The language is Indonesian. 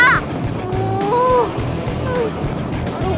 aduh gugup sih malam lamamu nih